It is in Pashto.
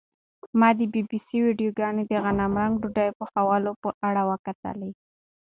ما د بي بي سي ویډیوګانې د غنمرنګه ډوډۍ پخولو په اړه وکتلې.